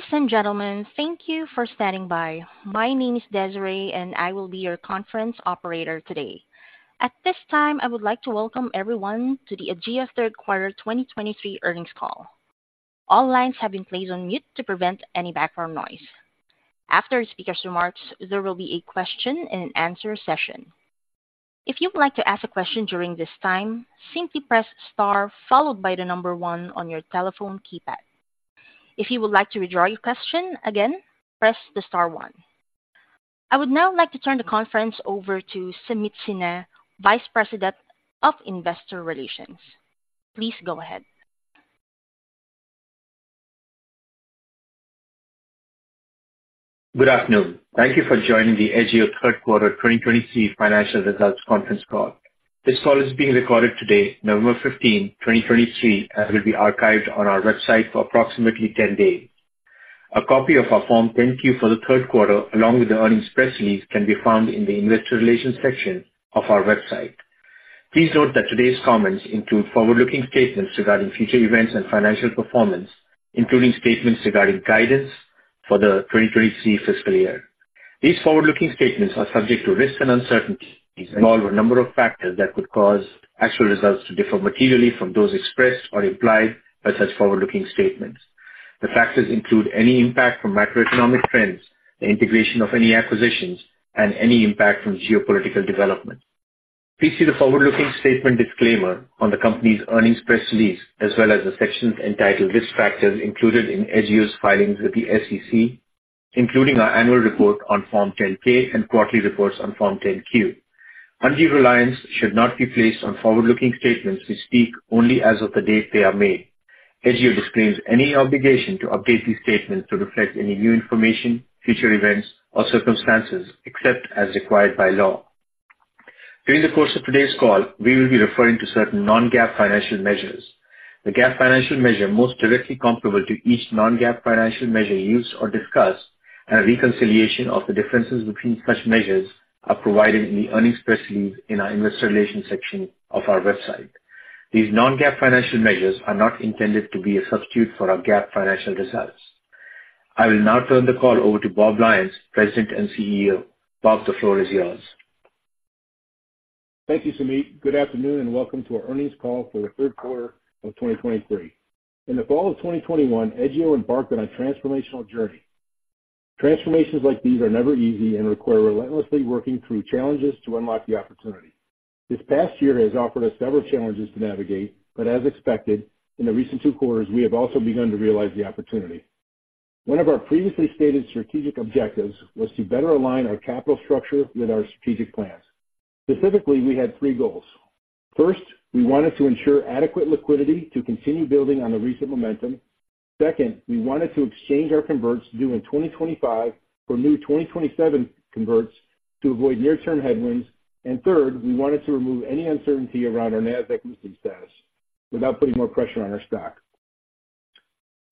Ladies and gentlemen, thank you for standing by. My name is Desiree, and I will be your conference operator today. At this time, I would like to welcome everyone to the Edgio Third Quarter 2023 earnings call. All lines have been placed on mute to prevent any background noise. After the speaker's remarks, there will be a question and answer session. If you would like to ask a question during this time, simply press star followed by the one on your telephone keypad. If you would like to withdraw your question, again, press the star one. I would now like to turn the conference over to Sameet Sinha, Vice President of Investor Relations. Please go ahead. Good afternoon. Thank you for joining the Edgio third quarter 2023 financial results conference call. This call is being recorded today, November 15, 2023, and will be archived on our website for approximately 10 days. A copy of our Form 10-Q for the third quarter, along with the earnings press release, can be found in the investor relations section of our website. Please note that today's comments include forward-looking statements regarding future events and financial performance, including statements regarding guidance for the 2023 fiscal year. These forward-looking statements are subject to risks and uncertainties involving a number of factors that could cause actual results to differ materially from those expressed or implied by such forward-looking statements. The factors include any impact from macroeconomic trends, the integration of any acquisitions, and any impact from geopolitical developments. Please see the forward-looking statement disclaimer on the company's earnings press release, as well as the sections entitled Risk Factors included in Edgio's filings with the SEC, including our annual report on Form 10-K and quarterly reports on Form 10-Q. Undue reliance should not be placed on forward-looking statements to speak only as of the date they are made. Edgio disclaims any obligation to update these statements to reflect any new information, future events, or circumstances, except as required by law. During the course of today's call, we will be referring to certain non-GAAP financial measures. The GAAP financial measure most directly comparable to each non-GAAP financial measure used or discussed, and a reconciliation of the differences between such measures are provided in the earnings press release in our investor relations section of our website. These non-GAAP financial measures are not intended to be a substitute for our GAAP financial results. I will now turn the call over to Bob Lyons, President and CEO. Bob, the floor is yours. Thank you, Sumeet. Good afternoon, and welcome to our earnings call for the third quarter of 2023. In the fall of 2021, Edgio embarked on a transformational journey. Transformations like these are never easy and require relentlessly working through challenges to unlock the opportunity. This past year has offered us several challenges to navigate, but as expected, in the recent two quarters, we have also begun to realize the opportunity. One of our previously stated strategic objectives was to better align our capital structure with our strategic plans. Specifically, we had three goals. First, we wanted to ensure adequate liquidity to continue building on the recent momentum. Second, we wanted to exchange our converts due in 2025 for new 2027 converts to avoid near-term headwinds. And third, we wanted to remove any uncertainty around our Nasdaq listing status without putting more pressure on our stock.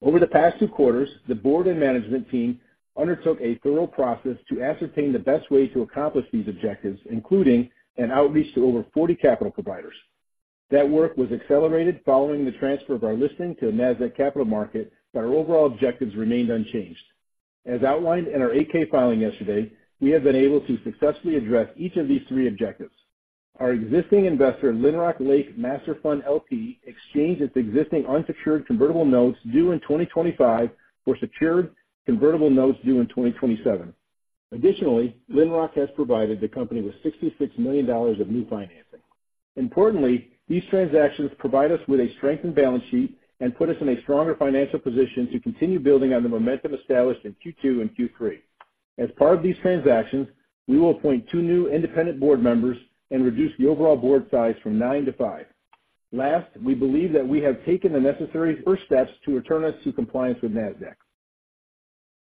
Over the past two quarters, the board and management team undertook a thorough process to ascertain the best way to accomplish these objectives, including an outreach to over 40 capital providers. That work was accelerated following the transfer of our listing to a Nasdaq Capital Market, but our overall objectives remained unchanged. As outlined in our 8-K filing yesterday, we have been able to successfully address each of these three objectives. Our existing investor, Lynrock Lake Master Fund LP, exchanged its existing unsecured convertible notes due in 2025 for secured convertible notes due in 2027. Additionally, Lynrock has provided the company with $66 million of new financing. Importantly, these transactions provide us with a strengthened balance sheet and put us in a stronger financial position to continue building on the momentum established in Q2 and Q3. As part of these transactions, we will appoint two new independent board members and reduce the overall board size from 9-5. Last, we believe that we have taken the necessary first steps to return us to compliance with Nasdaq.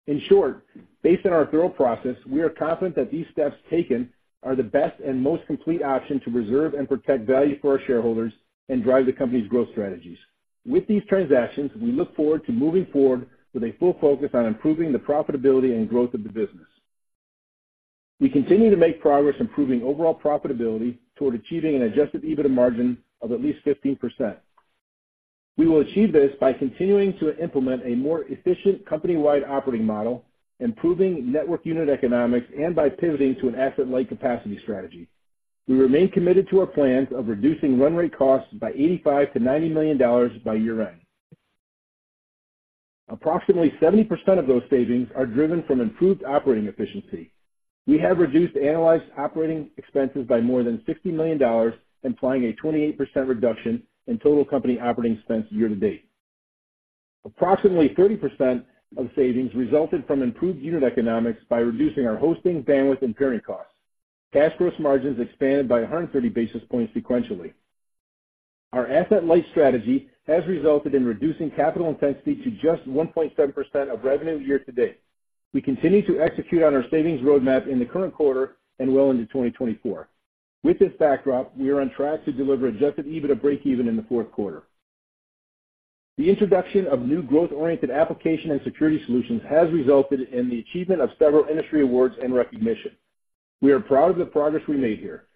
In short, based on our thorough process, we are confident that these steps taken are the best and most complete option to preserve and protect value for our shareholders and drive the company's growth strategies. With these transactions, we look forward to moving forward with a full focus on improving the profitability and growth of the business. We continue to make progress improving overall profitability toward achieving an Adjusted EBITDA margin of at least 15%. We will achieve this by continuing to implement a more efficient company-wide operating model, improving network unit economics, and by pivoting to an asset-light capacity strategy. We remain committed to our plans of reducing run rate costs by $85 million-$90 million by year-end. Approximately 70% of those savings are driven from improved operating efficiency. We have reduced annualized operating expenses by more than $60 million, implying a 28% reduction in total company operating expense year to date. Approximately 30% of savings resulted from improved unit economics by reducing our hosting, bandwidth, and peering costs. Cash gross margins expanded by 130 basis points sequentially. Our asset-light strategy has resulted in reducing capital intensity to just 1.7% of revenue year to date. We continue to execute on our savings roadmap in the current quarter and well into 2024. With this backdrop, we are on track to deliver adjusted EBITDA breakeven in the fourth quarter. The introduction of new growth-oriented application and security solutions has resulted in the achievement of several industry awards and recognition. We are proud of the progress we made here,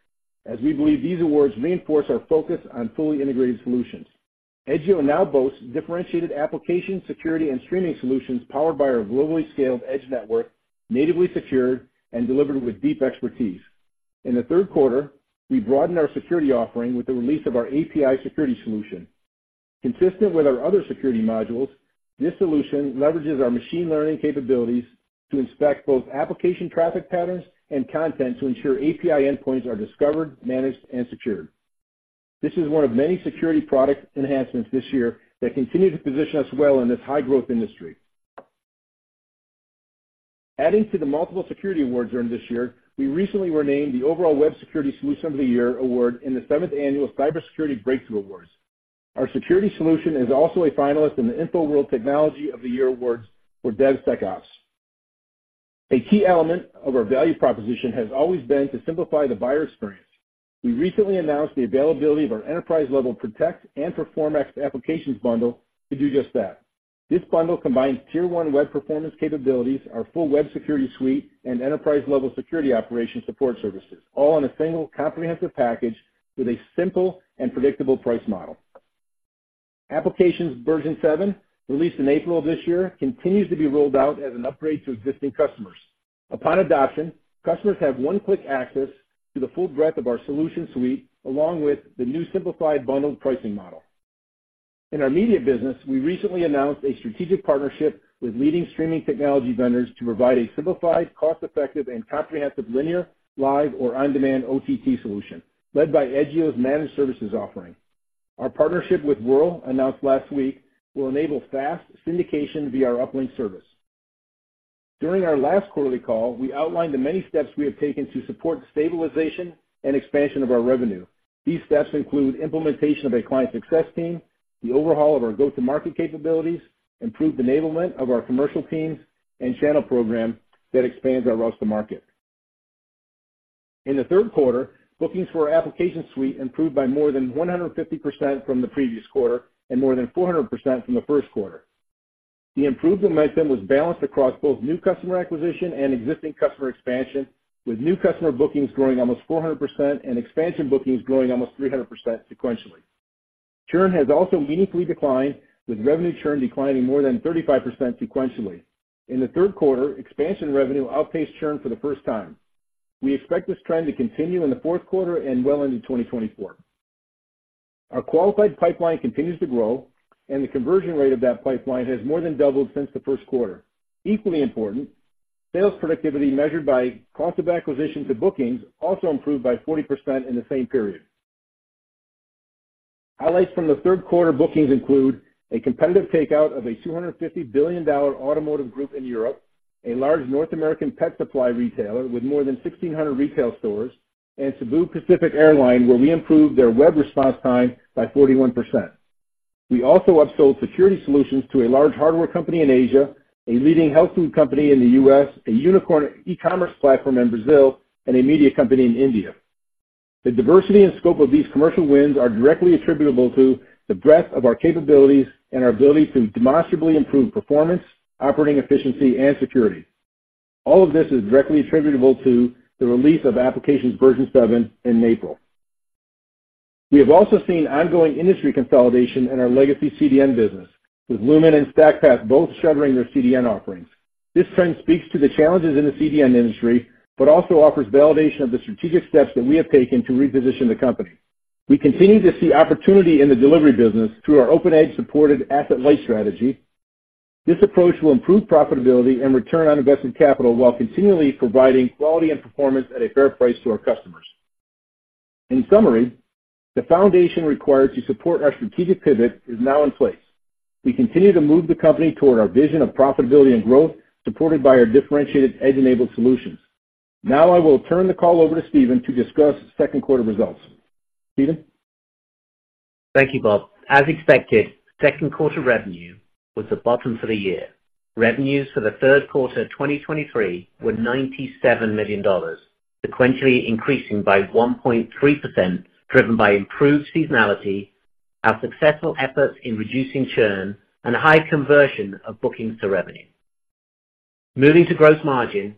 as we believe these awards reinforce our focus on fully integrated solutions. Edgio now boasts differentiated application, security, and streaming solutions powered by our globally scaled edge network, natively secured and delivered with deep expertise. In the third quarter, we broadened our security offering with the release of our API security solution. Consistent with our other security modules, this solution leverages our machine learning capabilities to inspect both application traffic patterns and content to ensure API endpoints are discovered, managed, and secured. This is one of many security product enhancements this year that continue to position us well in this high-growth industry. Adding to the multiple security awards earned this year, we recently were named the Overall Web Security Solution of the Year Award in the 7th annual Cybersecurity Breakthrough Awards. Our security solution is also a finalist in the InfoWorld Technology of the Year Awards for DevSecOps. A key element of our value proposition has always been to simplify the buyer experience. We recently announced the availability of our enterprise-level Protect and Perform Applications bundle to do just that. This bundle combines Tier 1 web performance capabilities, our full web security suite, and enterprise-level security operation support services, all in a single comprehensive package with a simple and predictable price model. Applications Version 7, released in April of this year, continues to be rolled out as an upgrade to existing customers. Upon adoption, customers have one-click access to the full breadth of our solution suite, along with the new simplified bundled pricing model. In our media business, we recently announced a strategic partnership with leading streaming technology vendors to provide a simplified, cost-effective, and comprehensive linear, live, or on-demand OTT solution, led by Edgio's managed services offering. Our partnership with Wurl, announced last week, will enable fast syndication via our Uplynk service. During our last quarterly call, we outlined the many steps we have taken to support stabilization and expansion of our revenue. These steps include implementation of a client success team, the overhaul of our go-to-market capabilities, improved enablement of our commercial teams, and channel program that expands our routes to market. In the third quarter, bookings for our application suite improved by more than 150% from the previous quarter and more than 400% from the first quarter. The improvement momentum was balanced across both new customer acquisition and existing customer expansion, with new customer bookings growing almost 400% and expansion bookings growing almost 300% sequentially. Churn has also meaningfully declined, with revenue churn declining more than 35% sequentially. In the third quarter, expansion revenue outpaced churn for the first time. We expect this trend to continue in the fourth quarter and well into 2024. Our qualified pipeline continues to grow, and the conversion rate of that pipeline has more than doubled since the first quarter. Equally important, sales productivity, measured by cost of acquisition to bookings, also improved by 40% in the same period. Highlights from the third quarter bookings include a competitive takeout of a $250 billion automotive group in Europe, a large North American pet supply retailer with more than 1,600 retail stores, and Cebu Pacific, where we improved their web response time by 41%. We also upsold security solutions to a large hardware company in Asia, a leading health food company in the US, a unicorn e-commerce platform in Brazil, and a media company in India. The diversity and scope of these commercial wins are directly attributable to the breadth of our capabilities and our ability to demonstrably improve performance, operating efficiency, and security. All of this is directly attributable to the release of Applications Version 7 in April. We have also seen ongoing industry consolidation in our legacy CDN business, with Lumen and StackPath both shuttering their CDN offerings. This trend speaks to the challenges in the CDN industry, but also offers validation of the strategic steps that we have taken to reposition the company. We continue to see opportunity in the delivery business through our open edge-supported asset-light strategy. This approach will improve profitability and return on invested capital, while continually providing quality and performance at a fair price to our customers. In summary, the foundation required to support our strategic pivot is now in place. We continue to move the company toward our vision of profitability and growth, supported by our differentiated edge-enabled solutions. Now I will turn the call over to Stephen to discuss second quarter results. Stephen? Thank you, Bob. As expected, second quarter revenue was the bottom for the year. Revenues for the third quarter of 2023 were $97 million, sequentially increasing by 1.3%, driven by improved seasonality, our successful efforts in reducing churn, and a high conversion of bookings to revenue. Moving to gross margin.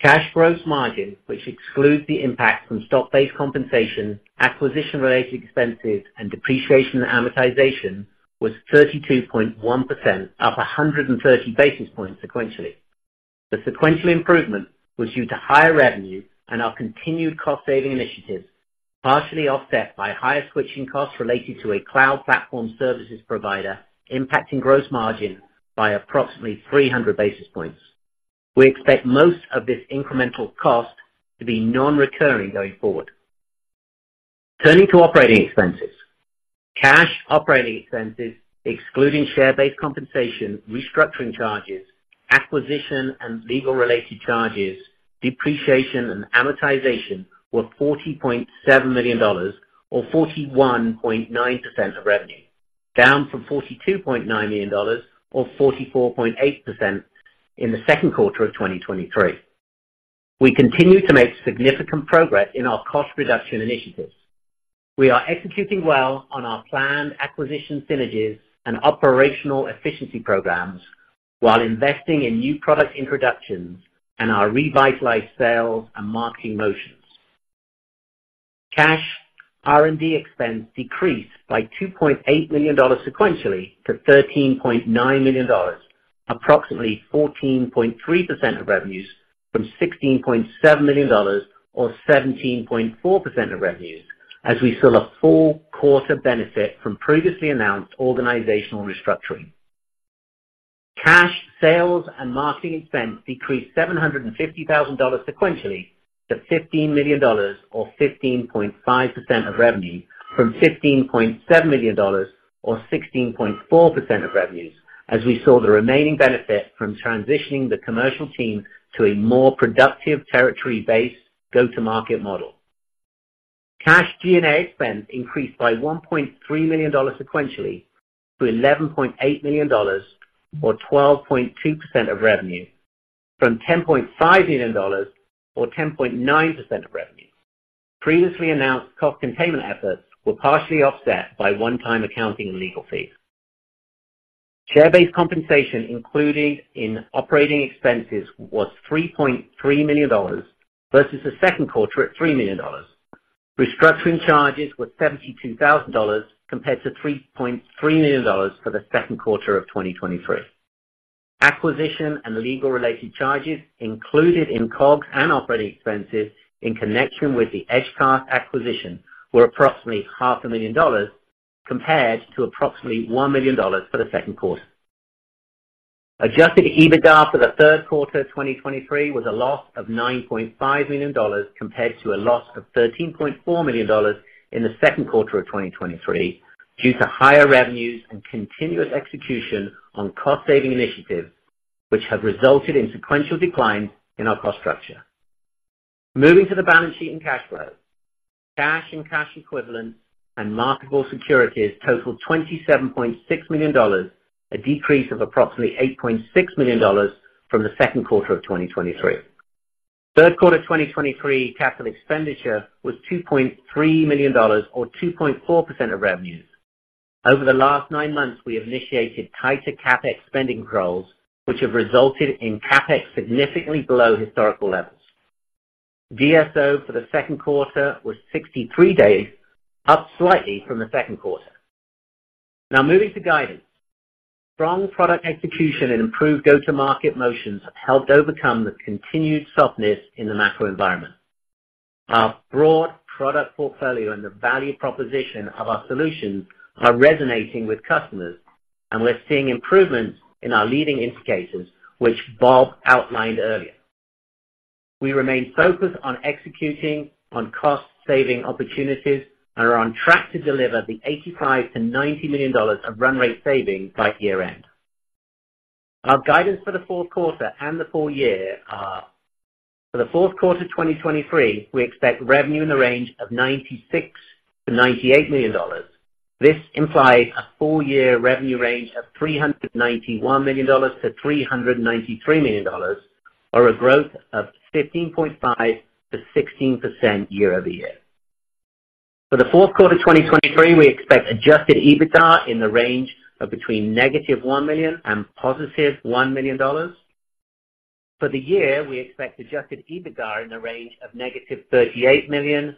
Cash gross margin, which excludes the impact from stock-based compensation, acquisition-related expenses, and depreciation and amortization, was 32.1%, up 130 basis points sequentially. The sequential improvement was due to higher revenue and our continued cost-saving initiatives, partially offset by higher switching costs related to a cloud platform services provider, impacting gross margin by approximately 300 basis points. We expect most of this incremental cost to be non-recurring going forward. Turning to operating expenses. Cash operating expenses, excluding share-based compensation, restructuring charges, acquisition and legal-related charges, depreciation and amortization, were $40.7 million, or 41.9% of revenue, down from $42.9 million, or 44.8%, in the second quarter of 2023. We continue to make significant progress in our cost reduction initiatives. We are executing well on our planned acquisition synergies and operational efficiency programs, while investing in new product introductions and our revitalized sales and marketing motions. Cash R&D expense decreased by $2.8 million sequentially to $13.9 million, approximately 14.3% of revenues, from $16.7 million, or 17.4% of revenues, as we saw a full quarter benefit from previously announced organizational restructuring. Cash sales and marketing expense decreased $750,000 sequentially to $15 million, or 15.5% of revenue, from $15.7 million, or 16.4% of revenues, as we saw the remaining benefit from transitioning the commercial team to a more productive territory-based go-to-market model. Cash G&A expense increased by $1.3 million sequentially to $11.8 million, or 12.2% of revenue, from $10.5 million, or 10.9% of revenue. Previously announced cost containment efforts were partially offset by one-time accounting and legal fees. Share-based compensation included in operating expenses was $3.3 million versus the second quarter at $3 million. Restructuring charges were $72,000 compared to $3.3 million for the second quarter of 2023. Acquisition and legal-related charges included in COGS and operating expenses in connection with the EdgeCast acquisition were approximately $500,000, compared to approximately $1 million for the second quarter. Adjusted EBITDA for the third quarter of 2023 was a loss of $9.5 million, compared to a loss of $13.4 million in the second quarter of 2023, due to higher revenues and continuous execution on cost-saving initiatives, which have resulted in sequential declines in our cost structure. Moving to the balance sheet and cash flow. Cash and cash equivalents and marketable securities totaled $27.6 million, a decrease of approximately $8.6 million from the second quarter of 2023. Third quarter 2023 capital expenditure was $2.3 million, or 2.4% of revenue. Over the last nine months, we have initiated tighter CapEx spending controls, which have resulted in CapEx significantly below historical levels. DSO for the second quarter was 63 days, up slightly from the second quarter. Now moving to guidance. Strong product execution and improved go-to-market motions have helped overcome the continued softness in the macro environment. Our broad product portfolio and the value proposition of our solutions are resonating with customers, and we're seeing improvements in our leading indicators, which Bob outlined earlier. We remain focused on executing on cost-saving opportunities and are on track to deliver the $85 million-$90 million of run rate savings by year-end. Our guidance for the fourth quarter and the full year are: for the fourth quarter of 2023, we expect revenue in the range of $96 million-$98 million. This implies a full year revenue range of $391 million-$393 million, or a growth of 15.5%-16% year-over-year. For the fourth quarter of 2023, we expect Adjusted EBITDA in the range of between -$1 million and +$1 million. For the year, we expect Adjusted EBITDA in the range of -$38 million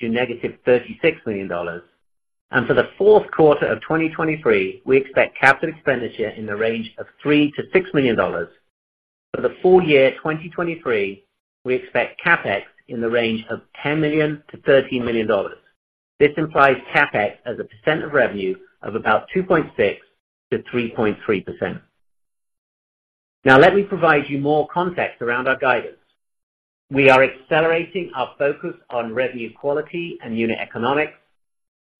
to -$36 million. For the fourth quarter of 2023, we expect capital expenditure in the range of $3 million-$6 million. For the full year 2023, we expect CapEx in the range of $10 million-$13 million. This implies CapEx as a percent of revenue of about 2.6%-3.3%. Now, let me provide you more context around our guidance We are accelerating our focus on revenue quality and unit economics.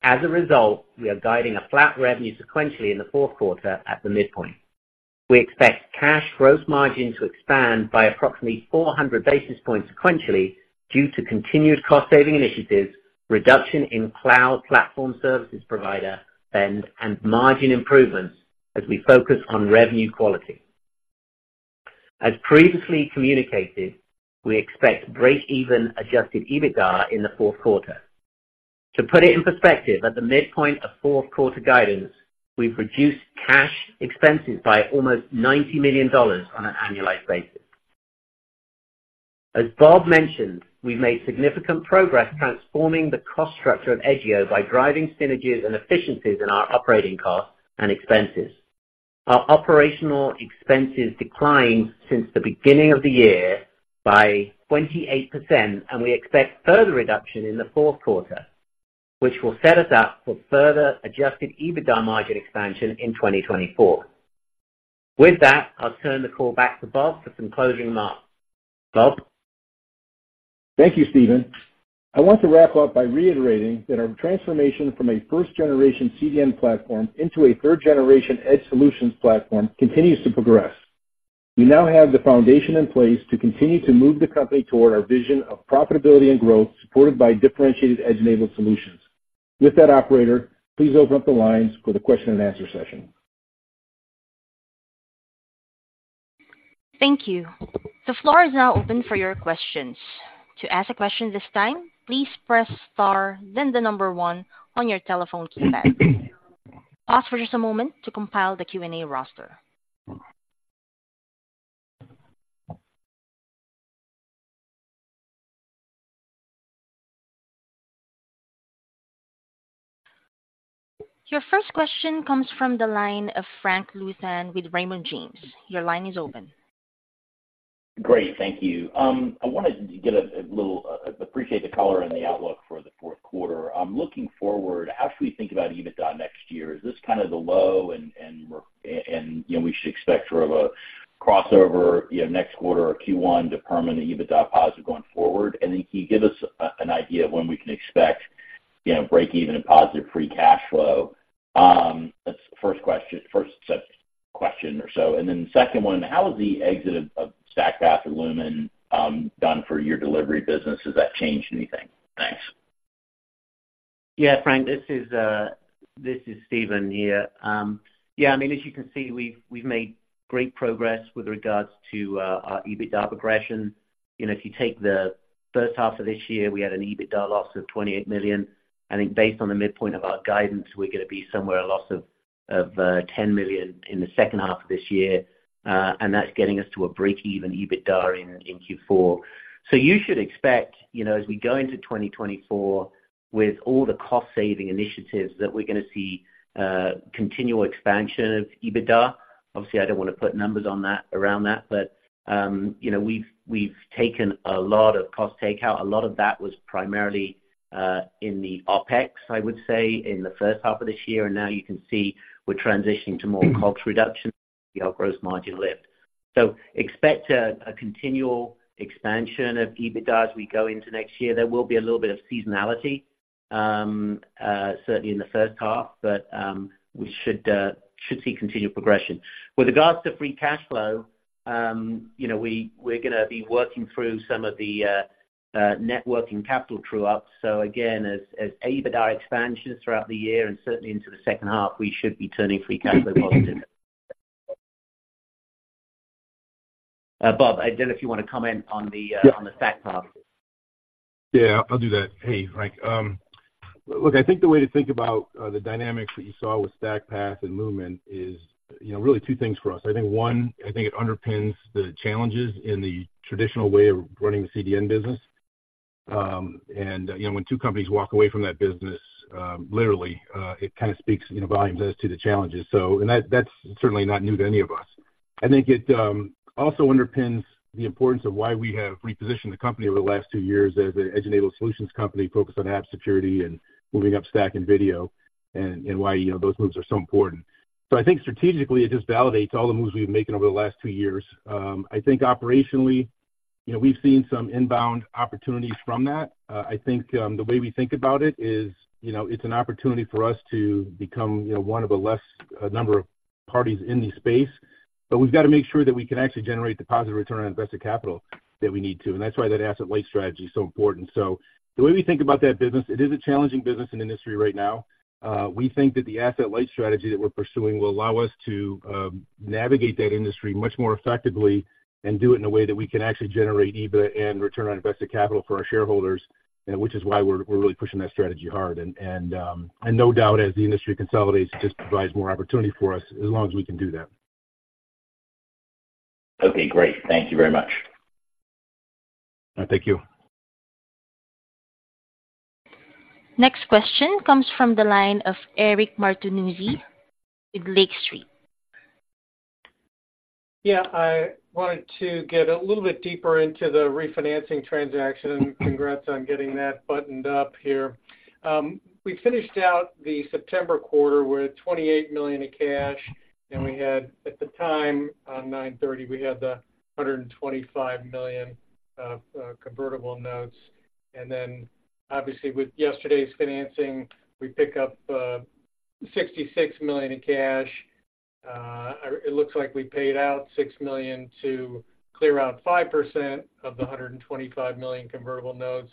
As a result, we are guiding a flat revenue sequentially in the fourth quarter at the midpoint. We expect cash gross margin to expand by approximately 400 basis points sequentially due to continued cost-saving initiatives, reduction in cloud platform services provider spend, and margin improvements as we focus on revenue quality. As previously communicated, we expect breakeven Adjusted EBITDA in the fourth quarter. To put it in perspective, at the midpoint of fourth quarter guidance, we've reduced cash expenses by almost $90 million on an annualized basis. As Bob mentioned, we've made significant progress transforming the cost structure of Edgio by driving synergies and efficiencies in our operating costs and expenses. Our operational expenses declined since the beginning of the year by 28%, and we expect further reduction in the fourth quarter, which will set us up for further Adjusted EBITDA margin expansion in 2024. With that, I'll turn the call back to Bob for some closing remarks. Bob? Thank you, Stephen. I want to wrap up by reiterating that our transformation from a first-generation CDN platform into a third-generation edge solutions platform continues to progress. We now have the foundation in place to continue to move the company toward our vision of profitability and growth, supported by differentiated edge-enabled solutions. With that, operator, please open up the lines for the question and answer session. Thank you. The floor is now open for your questions. To ask a question this time, please press Star, then the number one on your telephone keypad. Pause for just a moment to compile the Q&A roster. Your first question comes from the line of Frank Louthan with Raymond James. Your line is open. Great. Thank you. I wanted to get a, a little, appreciate the color and the outlook for the fourth quarter. I'm looking forward, as we think about EBITDA next year, is this kind of the low and we're, you know, we should expect sort of a crossover, you know, next quarter or Q1 to permanent EBITDA positive going forward? And then can you give us an idea of when we can expect, you know, break even and positive free cash flow? That's the first question, first question or so. And then the second one, how has the exit of StackPath and Lumen done for your delivery business? Has that changed anything? Thanks. Yeah, Frank, this is, this is Stephen here. Yeah, I mean, as you can see, we've, we've made great progress with regards to our EBITDA progression. You know, if you take the first half of this year, we had an EBITDA loss of $28 million. I think based on the midpoint of our guidance, we're going to be somewhere a loss of $10 million in the second half of this year, and that's getting us to a break-even EBITDA in Q4. So you should expect, you know, as we go into 2024, with all the cost saving initiatives, that we're going to see continual expansion of EBITDA. Obviously, I don't want to put numbers on that, around that, but, you know, we've, we've taken a lot of cost takeout. A lot of that was primarily in the OpEx, I would say, in the first half of this year, and now you can see we're transitioning to more COGS reduction, the gross margin lift. So expect a continual expansion of EBITDA as we go into next year. There will be a little bit of seasonality certainly in the first half, but we should see continued progression. With regards to free cash flow, you know, we, we're going to be working through some of the working capital true-ups. So again, as EBITDA expansions throughout the year and certainly into the second half, we should be turning free cash flow positive. Bob, I don't know if you want to comment on the on the StackPath. Yeah, I'll do that. Hey, Frank. Look, I think the way to think about the dynamics that you saw with StackPath and Lumen is, you know, really two things for us. I think one, I think it underpins the challenges in the traditional way of running the CDN business. And, you know, when two companies walk away from that business, literally, it kind of speaks, you know, volumes as to the challenges. So, and that, that's certainly not new to any of us. I think it also underpins the importance of why we have repositioned the company over the last two years as an edge-enabled solutions company focused on app security and moving up stack and video and, and why, you know, those moves are so important. So I think strategically, it just validates all the moves we've been making over the last two years. I think operationally, you know, we've seen some inbound opportunities from that. I think, the way we think about it is, you know, it's an opportunity for us to become, you know, one of a less, a number of parties in the space. But we've got to make sure that we can actually generate the positive return on invested capital that we need to, and that's why that asset-light strategy is so important. So the way we think about that business, it is a challenging business and industry right now. We think that the asset-light strategy that we're pursuing will allow us to navigate that industry much more effectively and do it in a way that we can actually generate EBITDA and return on invested capital for our shareholders, and which is why we're really pushing that strategy hard. No doubt, as the industry consolidates, it just provides more opportunity for us as long as we can do that. Okay, great. Thank you very much. Thank you. Next question comes from the line of Eric Martinuzzi with Lake Street. Yeah, I wanted to get a little bit deeper into the refinancing transaction, and congrats on getting that buttoned up here. We finished out the September quarter with $28 million in cash, and we had, at the time, on 9/30, we had the $125 million of convertible notes. And then obviously, with yesterday's financing, we pick up $66 million in cash. It looks like we paid out $6 million to clear out 5% of the $125 million convertible notes,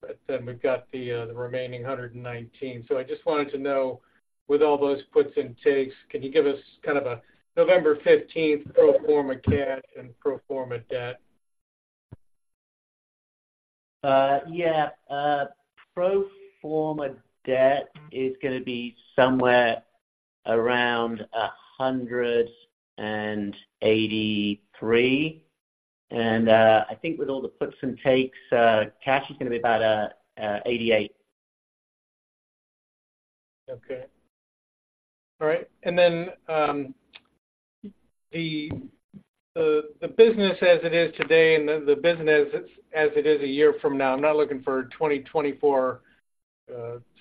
but then we've got the remaining $119 million. So I just wanted to know, with all those puts and takes, can you give us kind of a November 15 pro forma cash and pro forma debt? Yeah. Pro forma debt is going to be somewhere around $183. I think with all the puts and takes, cash is going to be about $88. Okay. All right. And then, the business as it is today and the business as it is a year from now, I'm not looking for 2024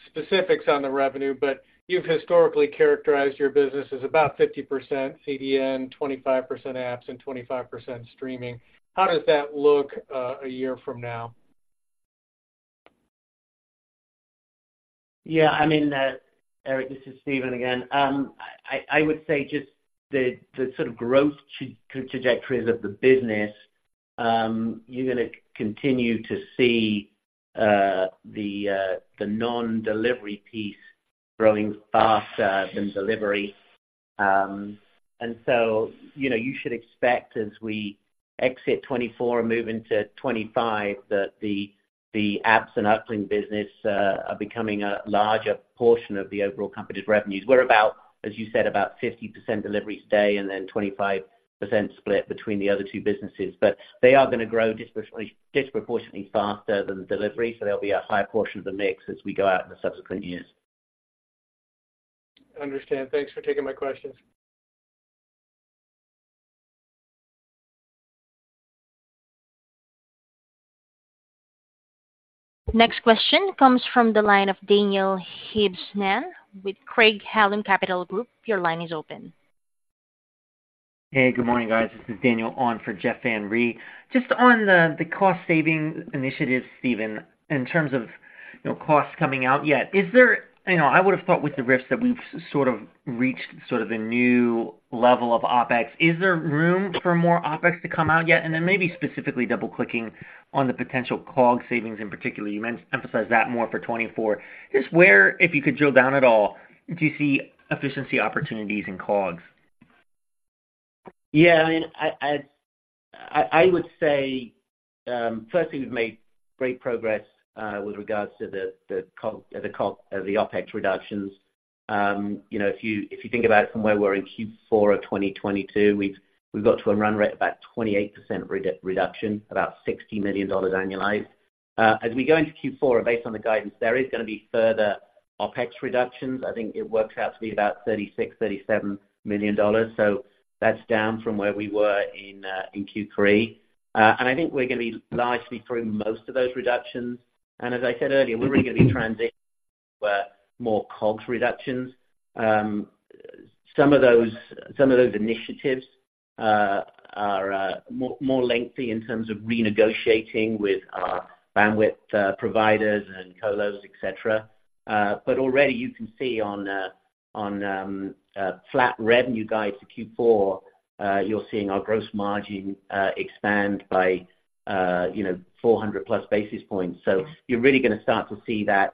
specifics on the revenue, but you've historically characterized your business as about 50% CDN, 25% apps, and 25% streaming. How does that look a year from now? Yeah, I mean, Eric, this is Stephen again. I would say just the sort of growth trajectories of the business. You're gonna continue to see the nondelivery piece growing faster than delivery. And so, you know, you should expect as we exit 2024 and move into 2025, that the apps and Uplynk business are becoming a larger portion of the overall company's revenues. We're about, as you said, about 50% delivery today, and then 25% split between the other two businesses. But they are gonna grow disproportionately faster than delivery, so they'll be a higher portion of the mix as we go out in the subsequent years. I understand. Thanks for taking my questions. Next question comes from the line of Daniel Hibshman, with Craig-Hallum Capital Group. Your line is open. Hey, good morning, guys. This is Daniel on for Jeff Van Rhee. Just on the cost saving initiatives, Stephen, in terms of, you know, costs coming out yet, is there? You know, I would have thought with the risks that we've sort of reached sort of a new level of OpEx. Is there room for more OpEx to come out yet? And then maybe specifically double-clicking on the potential COGS savings in particular. You emphasized that more for 2024. Just where, if you could drill down at all, do you see efficiency opportunities in COGS? Yeah, I would say, firstly, we've made great progress with regards to the COGS, the OpEx reductions. You know, if you think about it from where we were in Q4 of 2022, we've got to a run rate of about 28% reduction, about $60 million annualized. As we go into Q4, based on the guidance, there is gonna be further OpEx reductions. I think it works out to be about $36 million-$37 million. So that's down from where we were in Q3. And I think we're gonna be largely through most of those reductions. And as I said earlier, we're really gonna be transitioning to more COGS reductions. Some of those initiatives are more lengthy in terms of renegotiating with our bandwidth providers and colos, et cetera. But already you can see on flat revenue guide to Q4, you're seeing our gross margin expand by, you know, 400+ basis points. So you're really gonna start to see that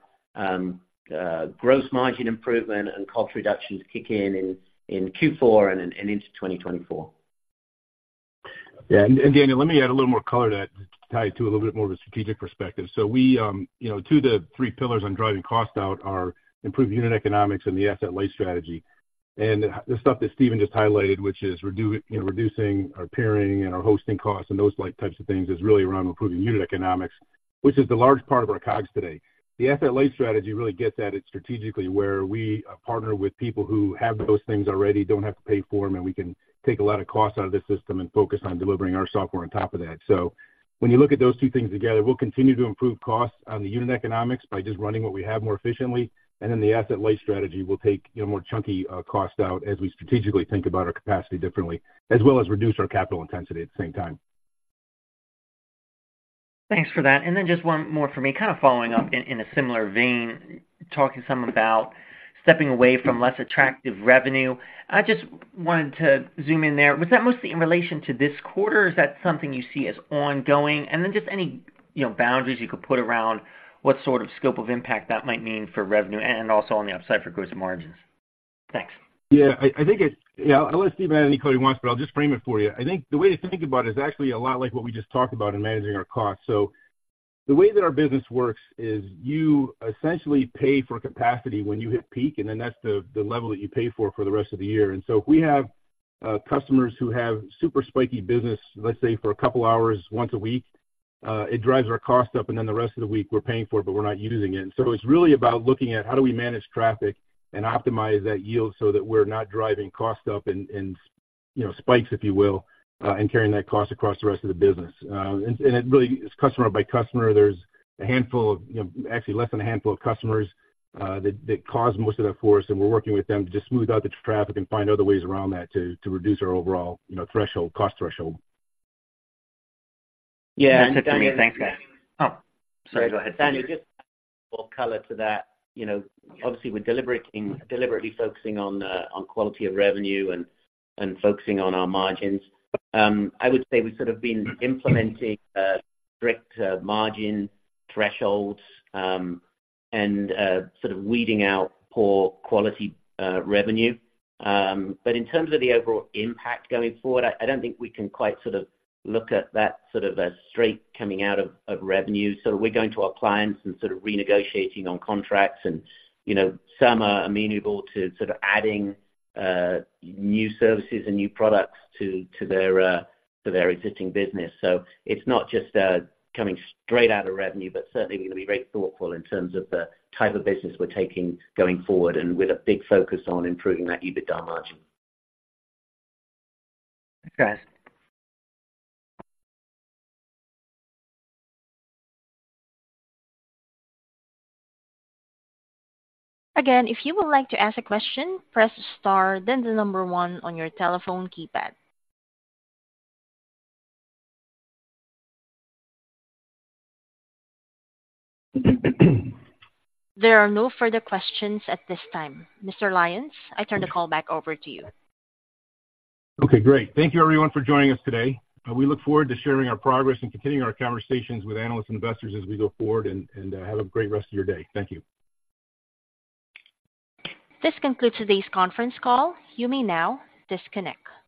gross margin improvement and cost reductions kick in in Q4 and into 2024. Yeah, and, and Daniel, let me add a little more color to that, tie it to a little bit more of a strategic perspective. So we, you know, 2-3 pillars on driving cost out are improved unit economics and the asset-light strategy. And the stuff that Stephen just highlighted, which is, you know, reducing our pairing and our hosting costs and those light types of things, is really around improving unit economics, which is the large part of our COGS today. The asset-light strategy really gets at it strategically, where we partner with people who have those things already, don't have to pay for them, and we can take a lot of costs out of the system and focus on delivering our software on top of that. So when you look at those two things together, we'll continue to improve costs on the unit economics by just running what we have more efficiently. And then the asset-light strategy will take, you know, more chunky, costs out as we strategically think about our capacity differently, as well as reduce our capital intensity at the same time. Thanks for that. And then just one more for me, kind of following up in a similar vein, talking some about stepping away from less attractive revenue. I just wanted to zoom in there. Was that mostly in relation to this quarter, or is that something you see as ongoing? And then just any, you know, boundaries you could put around, what sort of scope of impact that might mean for revenue and also on the upside for gross margins? Thanks. Yeah, I, I think it's. Yeah, I'll let Stephen add any color he wants, but I'll just frame it for you. I think the way to think about it is actually a lot like what we just talked about in managing our costs. So the way that our business works is you essentially pay for capacity when you hit peak, and then that's the level that you pay for for the rest of the year. And so if we have customers who have super spiky business, let's say, for a couple hours once a week, it drives our costs up, and then the rest of the week we're paying for it, but we're not using it. So it's really about looking at how do we manage traffic and optimize that yield so that we're not driving costs up and, you know, spikes, if you will, and carrying that cost across the rest of the business. It really is customer by customer. There's a handful of, you know, actually less than a handful of customers that cause most of that for us, and we're working with them to just smooth out the traffic and find other ways around that to reduce our overall, you know, threshold, cost threshold. Yeah. Thanks, guys. Oh, sorry, go ahead. Just more color to that. You know, obviously, we're deliberately, deliberately focusing on quality of revenue and focusing on our margins. I would say we've sort of been implementing strict margin thresholds and sort of weeding out poor quality revenue. But in terms of the overall impact going forward, I don't think we can quite sort of look at that sort of as straight coming out of revenue. So we're going to our clients and sort of renegotiating on contracts and, you know, some are amenable to sort of adding new services and new products to their existing business. It's not just coming straight out of revenue, but certainly we're gonna be very thoughtful in terms of the type of business we're taking going forward, and with a big focus on improving that EBITDA margin. Thanks. Again, if you would like to ask a question, press star, then one on your telephone keypad. There are no further questions at this time. Mr. Lyons, I turn the call back over to you. Okay, great. Thank you everyone for joining us today. We look forward to sharing our progress and continuing our conversations with analysts and investors as we go forward. Have a great rest of your day. Thank you. This concludes today's conference call. You may now disconnect.